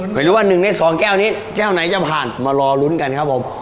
เคยรู้ว่า๑ใน๒แก้วนี้แก้วไหนจะผ่านมารอลุ้นกันครับผม